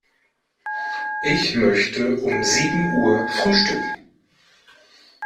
Ich möchte um sieben Uhr frühstücken.